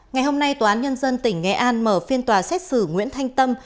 ngày hôm nay tòa án nhân dân tỉnh nghệ an mở phiên tòa xét xử nguyễn thanh tâm